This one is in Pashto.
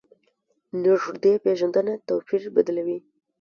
نږدې پېژندنه توپیر بدلوي.